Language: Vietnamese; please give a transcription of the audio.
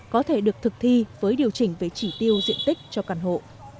có thể được thực thi với điều chỉnh về chỉ tiêu diện tích cho căn hộ